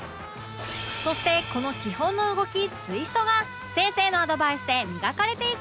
そしてこの基本の動きツイストが先生のアドバイスで磨かれていく